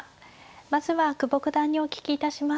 まずは久保九段にお聞きいたします。